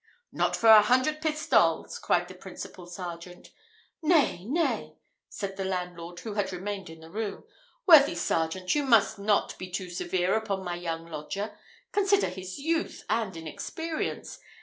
"Not for a hundred pistoles!" cried the principal sergeant. "Nay, nay," said the landlord, who had remained in the room, "worthy sergeant, you must not be too severe upon my young lodger. Consider his youth and inexperience.